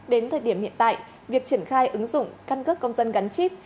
đến thời điểm hiện tại việc triển khai ứng dụng căn cước công dân gắn chip